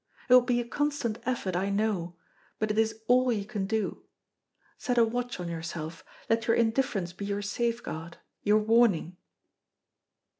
It will be a constant effort, I know, but it is all you can do. Set a watch on yourself; let your indifference be your safeguard, your warning."